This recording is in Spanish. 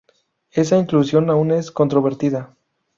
Esa inclusión aún es controvertida.